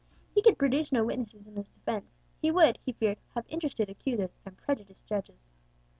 He could produce no witnesses in his defence; he would, he feared, have interested accusers, and prejudiced judges.